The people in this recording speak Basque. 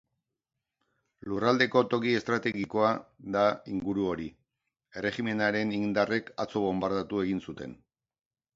Lurraldeko toki estrategikoa da inguru hori, erregimenaren indarrek atzo bonbardatu egin zuten.